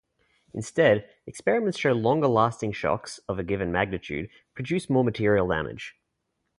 Instead, experiments show longer-lasting shocks of a given magnitude produce more material damage.